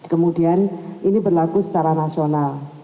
kemudian ini berlaku secara nasional